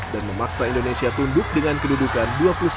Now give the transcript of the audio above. dan memaksa indonesia tunduk dengan kedudukan dua puluh satu dua puluh lima